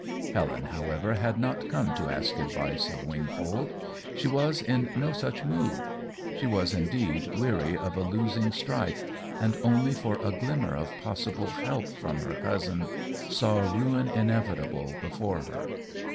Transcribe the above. Helen however had not come to ask advice of Wingfold. She was in no such mood. She was indeed weary of a losing strife, and only for a glimmer of possible help from her cousin, saw ruin inevitable before her.